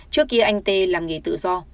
trước kia anh t làm nghề tự do